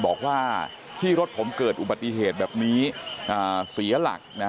บอกว่าที่รถผมเกิดอุบัติเหตุแบบนี้เสียหลัก